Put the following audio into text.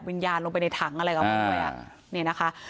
ดับวิญญาณลงไปในถังอะไรของเขาด้วยนี่นะคะ